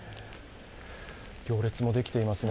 行列もできていますね。